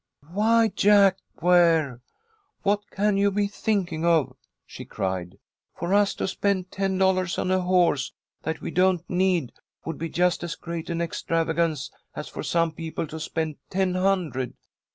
"Why, Jack Ware! What can you be thinking of!" she cried. "For us to spend ten dollars on a horse that we don't need would be just as great an extravagance as for some people to spend ten hundred.